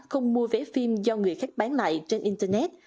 không mua vé phim do người khác bán lại trên internet